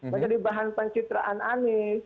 menjadi bahan pencitraan anies